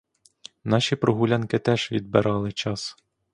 Наші прогулянки теж відбирали час.